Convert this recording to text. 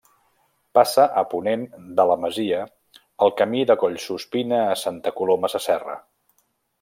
Passa a ponent de la masia el Camí de Collsuspina a Santa Coloma Sasserra.